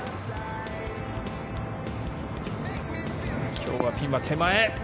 今日はピンは手前。